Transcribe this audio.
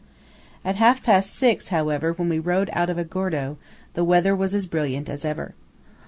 At half past six, however, when we rode out of Agordo, the weather was as brilliant as ever.